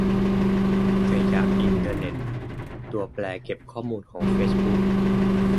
ขยะอินเทอร์เน็ต ตัวแปรเก็บข้อมูลของเฟซบุ๊ก